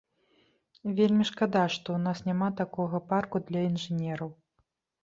Вельмі шкада, што ў нас няма такога парку для інжынераў.